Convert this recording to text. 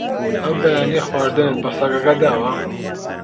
ئەم بەیانییە خواردنت بە سەگەکە داوە؟